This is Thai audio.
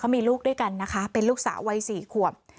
มีลูกด้วยกันนะคะเป็นลูกสาววัย๔ขวบ